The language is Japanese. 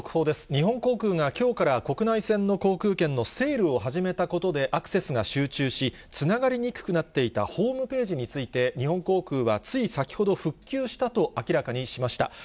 日本航空がきょうから国内線の航空券のセールを始めたことでアクセスが集中し、つながりにくくなっていたホームページについて、日本航空はつい先ほど、復旧したと明らかにしました。